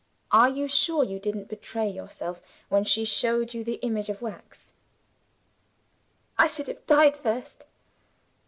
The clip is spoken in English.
Are you sure you didn't betray yourself, when she showed the image of wax?" "I should have died first!"